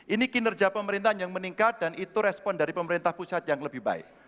ini kinerja pemerintahan yang meningkat dan itu respon dari pemerintah pusat yang lebih baik